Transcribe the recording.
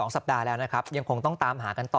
สัปดาห์แล้วนะครับยังคงต้องตามหากันต่อ